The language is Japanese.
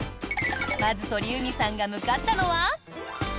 まず鳥海さんが向かったのは。